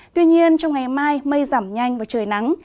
tuy nhiên trong ngày mai mây giảm nhanh và trời nắng